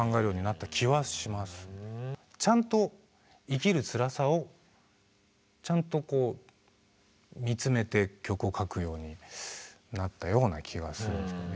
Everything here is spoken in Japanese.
ちゃんと生きるつらさをちゃんとこう見つめて曲を書くようになったような気はするんですけどね。